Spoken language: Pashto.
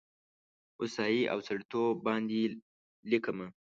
هوسايي او سړیتوب باندې لیکمه